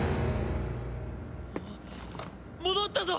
戻ったぞ！